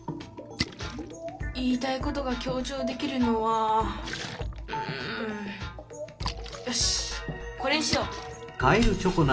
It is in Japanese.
言いたいことが強ちょうできるのはうんよしこれにしよう。